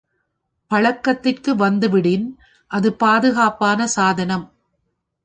பழக்கத்திற்கு வந்து விடின் அது பாதுகாப்பான சாதனம்.